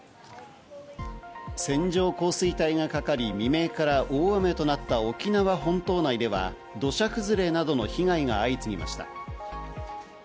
線状降水帯がかかり未明から大雨となった沖縄本島内では土砂崩れなどの被害が相次ぎました。